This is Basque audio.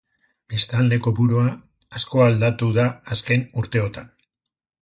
Biztanle-kopurua asko aldatu da azken urteotan.